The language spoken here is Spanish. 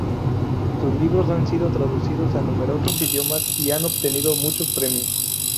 Sus libros han sido traducidos a numerosos idiomas y han obtenido muchos premios.